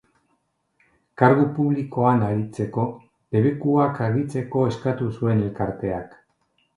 Kargu publikoan aritzeko debekuak argitzeko eskatu zuen elkarteak.